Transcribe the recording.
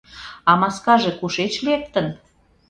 — А маскаже кушеч лектын?